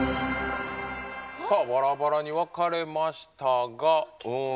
バラバラに分かれましたが。